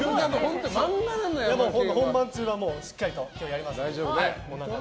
本番中はしっかりとやりますので。